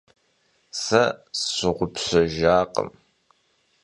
Se sşığupşejjakhım.